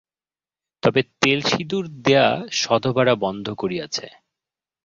তবে তেল সিঁদুর দেয়া সধবারা বন্ধ করিয়াছে।